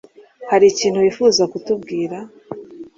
Hari ikintu wifuza kutubwira?